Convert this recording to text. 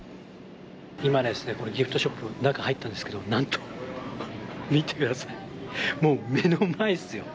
今ですね、これ、ギフトショップ、中入ったんですけど、なんと、見てください、もう目の前ですよ。